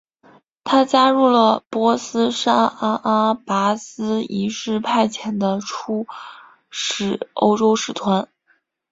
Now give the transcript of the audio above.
他加入了波斯沙阿阿拔斯一世派遣的出使欧洲使团。